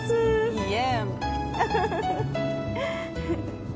いいえ。